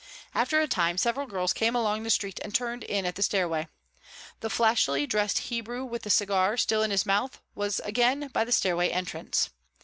After a time several girls came along the street and turned in at the stairway. The flashily dressed Hebrew with the cigar still in his mouth was again by the stairway entrance.